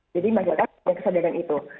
jadi masyarakat sudah kesadaran itu